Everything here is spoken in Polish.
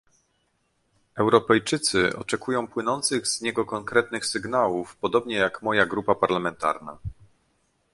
Europejczycy oczekują płynących z niego konkretnych sygnałów, podobnie jak moja grupa parlamentarna